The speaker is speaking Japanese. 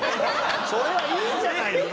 それはいいじゃないの。